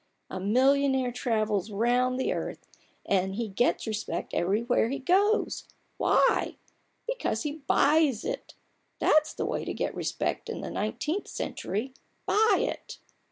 15 A millionaire travels round the earth, and he gets respect everywhere he goes — why ? Because he buys it. That's the way to get respect in the nineteenth century — buy it